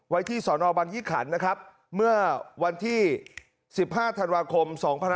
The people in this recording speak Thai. ไว้ที่สอนอบังยิคันนะครับเมื่อวันที่๑๕ธันวาคม